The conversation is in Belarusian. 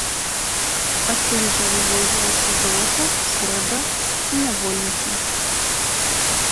Адтуль жа вывозілася золата, срэбра і нявольнікі.